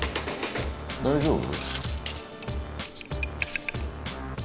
「大丈夫？」